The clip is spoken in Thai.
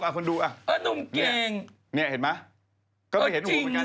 อย่าพิ่งหลงดีนะอนุมกู